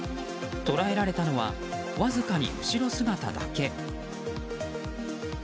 捉えられたのはわずかに後ろ姿だけ。